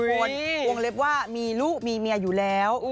วงเล็บว่ามีลูกมีเมียอยู่แล้ว